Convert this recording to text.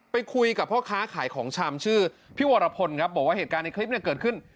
ไปคุยกับพ่อค้าขายของชำชื่อพี่วรพลครับบอกว่าเหตุการณ์ในคลิปเนี่ยเกิดขึ้น